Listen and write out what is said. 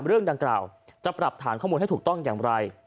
เรื่องดังกล่าวจะปรับฐานข้อมูลให้ถูกต้องอย่างไร